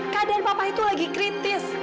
keadaan papa itu lagi kritis